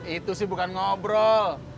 itu sih bukan ngobrol